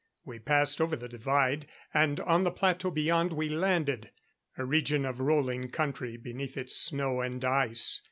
We passed over the Divide, and on the plateau beyond, we landed. A region of rolling country beneath its snow and ice.